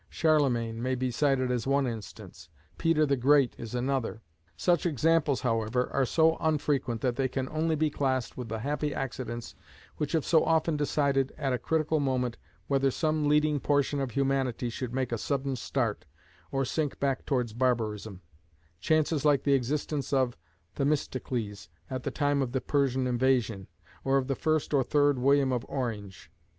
Charlemagne may be cited as one instance; Peter the Great is another. Such examples however are so unfrequent that they can only be classed with the happy accidents which have so often decided at a critical moment whether some leading portion of humanity should make a sudden start, or sink back towards barbarism chances like the existence of Themistocles at the time of the Persian invasion, or of the first or third William of Orange.